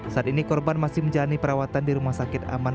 saat ini korban masih menjalani perawatan di rumah sakit aman